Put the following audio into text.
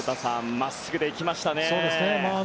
まっすぐでいきましたね。